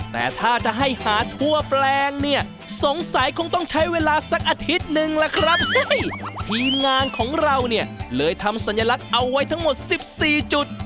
แต่ถ้าจะให้หาทั่วแปลงเนี่ยสงสัยคงต้องใช้เวลาสักอาทิตย์หนึ่งล่ะครับทีมงานของเราเนี่ยเลยทำสัญลักษณ์เอาไว้ทั้งหมด๑๔จุด